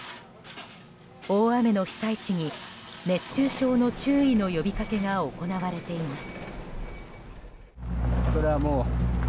大雨の被災地に熱中症の注意の呼びかけが行われています。